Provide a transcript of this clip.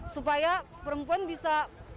supaya perempuan bisa